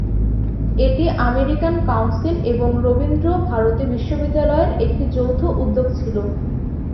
এটি American council এবং রবীন্দ্র ভারতী বিশ্ববিদ্যালয়ের যৌথ উদ্যোগ ছিল।